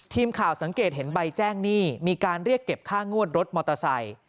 ทีมข่าวสังเกตเห็นใบแจ้งหนี้มีการเรียกเก็บค่างวดรถมอเตอร์ไซค์